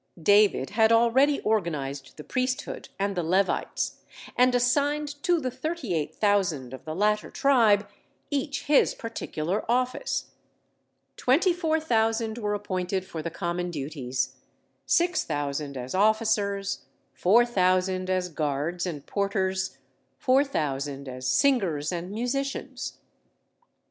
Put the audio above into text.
David had already organized the priesthood and the Levites; and assigned to the thirty eight thousand of the latter tribe each his particular office; twenty four thousand were appointed for the common duties, six thousand as officers, four thousand as guards and porters, four thousand as singers and musicians.